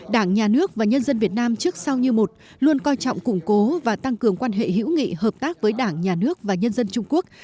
đảng nhà nước và nhân dân việt nam trước sau như một luôn coi trọng củng cố và tăng cường quan hệ hữu nghị hợp tác với đảng nhà nước và nhân dân trung quốc